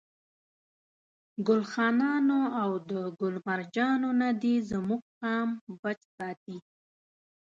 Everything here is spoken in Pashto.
ګل خانانو او ده ګل مرجانو نه دي زموږ قام بچ ساتي.